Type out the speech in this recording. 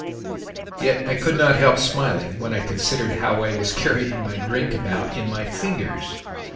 Yet I could not help smiling when I considered how I was carrying my drink about in my fingers.